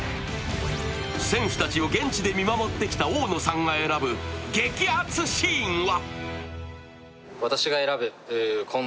選手たちを現地で見守ってきた大野さんが選ぶ激アツシーンは？